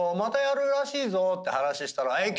て話したら。